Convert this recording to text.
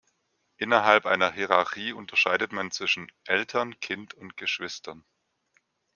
Innerhalb einer Hierarchie unterscheidet man zwischen „Eltern“, „Kind“ und „Geschwistern“.